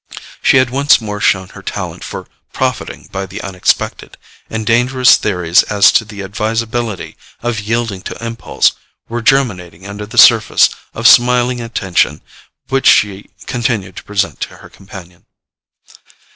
She had once more shown her talent for profiting by the unexpected, and dangerous theories as to the advisability of yielding to impulse were germinating under the surface of smiling attention which she continued to present to her companion.